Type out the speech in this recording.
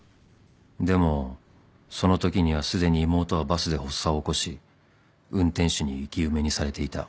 ［でもそのときにはすでに妹はバスで発作を起こし運転手に生き埋めにされていた］